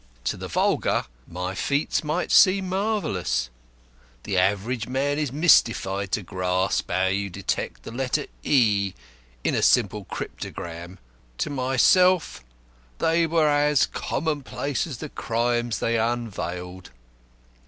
To the vulgar, my feats might seem marvellous the average man is mystified to grasp how you detect the letter 'e' in a simple cryptogram to myself they were as commonplace as the crimes they unveiled.